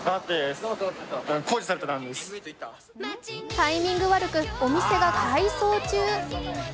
タイミング悪く、お店が改装中。